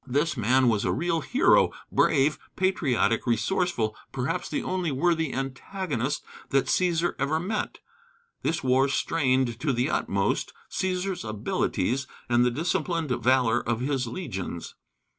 This man was a real hero, brave, patriotic, resourceful, perhaps the only worthy antagonist that Cæsar ever met. This war strained to the utmost Cæsar's abilities and the disciplined valor of his legions.